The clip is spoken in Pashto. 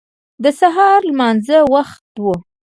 د سهار لمانځه وخت و.